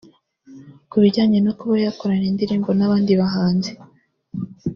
Ku bijyanye no kuba yakorana indirimbo n’abandi bahanzi